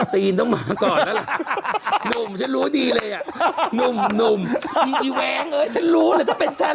ตีนต้องมาก่อนแล้วล่ะหนุ่มฉันรู้ดีเลยอ่ะหนุ่มมีแว้งเอ้ยฉันรู้เลยถ้าเป็นฉัน